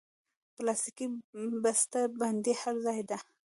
پلاستيکي بستهبندي هر ځای ده.